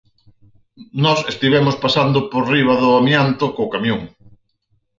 Nós estivemos pasando por riba do amianto co camión.